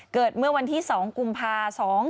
เกิดเมื่อวันที่๒กุมภา๒๕๖